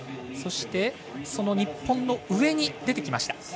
そして、その日本の上に出てきました。